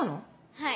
はい。